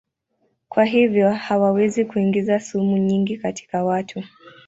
Kwa hivyo hawawezi kuingiza sumu nyingi katika watu.